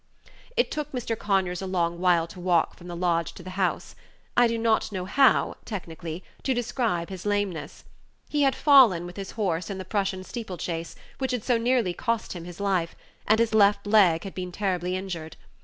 It took Mr. Conyers a long while to walk from the lodge to the house. I do not know how, technically, to describe his lameness. He had fallen, with his horse, in the Prussian steeple chase, which had so nearly cost him his life, and his left leg had been terribly injured.